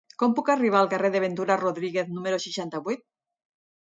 Com puc arribar al carrer de Ventura Rodríguez número seixanta-vuit?